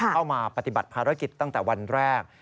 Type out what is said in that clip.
เข้ามาปฏิบัติภารกิจตั้งแต่วันแรก